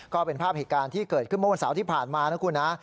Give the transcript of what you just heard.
ก็เป็นภาพเหตุการณ์ที่เกิดขึ้นเมื่อวันเสาร์ที่ผ่านมานะคุณนะ